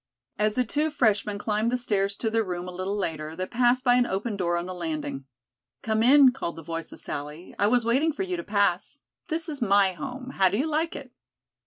As the two freshmen climbed the stairs to their room a little later, they passed by an open door on the landing. "Come in," called the voice of Sally. "I was waiting for you to pass. This is my home. How do you like it?"